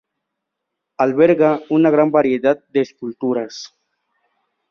Alberga una gran variedad de esculturas.